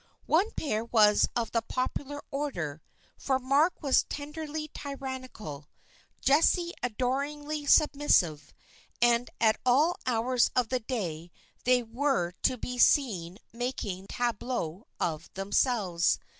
One pair was of the popular order, for Mark was tenderly tyrannical, Jessie adoringly submissive, and at all hours of the day they were to be seen making tableaux of themselves.